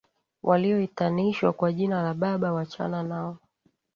Walioitanishwa kwa jina la Baba, wachana nao.